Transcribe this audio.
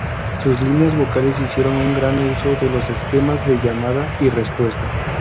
Sus líneas vocales hicieron un gran uso de los esquemas de llamada y respuesta.